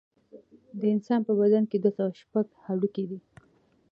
د انسان په بدن کې دوه سوه شپږ هډوکي دي